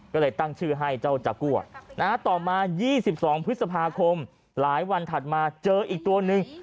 ก็เลยตั้งชื่อให้เจ้าจากัวต่อมา๒๒พฤษภาคมหลายวันถัดมาเจออีกตัวหนึ่ง